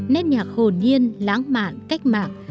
nét nhạc hồn nhiên lãng mạn cách mạng